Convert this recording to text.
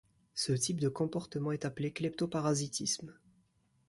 Ce type de comportement est appelé cleptoparasitisme.